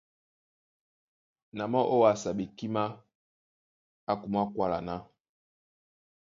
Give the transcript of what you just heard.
Na mɔ́ ówásá ɓekímá é kumwá kwála ná: